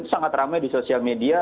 sangat ramai di sosial media